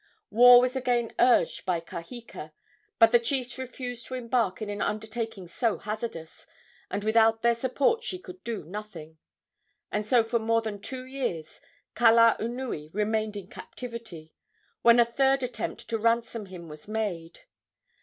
War was again urged by Kaheka, but the chiefs refused to embark in an undertaking so hazardous, and without their support she could do nothing. And so for more than two years Kalaunui remained in captivity, when a third attempt to ransom him was made.